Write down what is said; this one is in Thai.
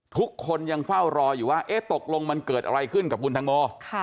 ทุกคนยังเฝ้ารออยู่ว่าตกลงมันเกิดอะไรขึ้นกับคุณตังโม